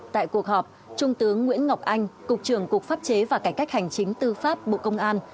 tại cuộc họp trung tướng nguyễn ngọc anh cục trưởng cục pháp chế và cải cách hành chính tư pháp bộ công an